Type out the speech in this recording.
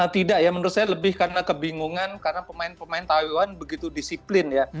tidak ya menurut saya lebih karena kebingungan karena pemain pemain taiwan begitu disiplin ya